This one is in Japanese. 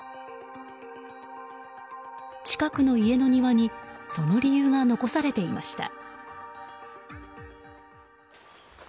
近くの家の庭にその理由が残されていました。